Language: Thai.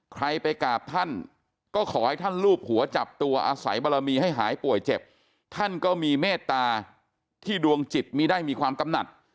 ใครไปกราบท่านก็ขอให้ท่านลูบหัวจับตัวอาศัยบารมีให้หายป่วยเจ็บท่านก็มีเมตตาที่ดวงจิตมีได้มีความกำหนัก